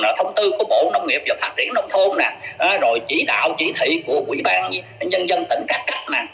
rồi thông tư của bộ nông nghiệp và phát triển nông thôn rồi chỉ đạo chỉ thị của quỹ ban nhân dân tỉnh các cấp